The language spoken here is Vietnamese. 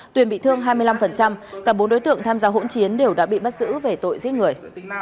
tuyền bị thương hai mươi năm cả bốn đối tượng tham gia hỗn chiến đều đã bị bắt giữ về tội giết người